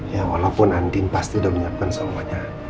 ya walaupun andien pasti udah menyiapkan semuanya